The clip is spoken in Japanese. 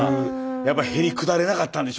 やっぱりへりくだれなかったんでしょうね。